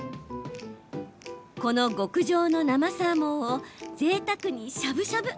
この極上の生サーモンをぜいたくにしゃぶしゃぶ。